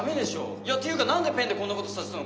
いやっていうか何でペンでこんなことさせたの？